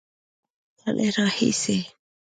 له تېر نږدې یو نیم کال راهیسې